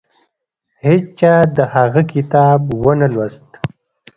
هیچا د هغه کتاب ونه لوست.